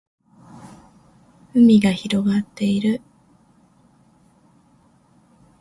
海が広がっている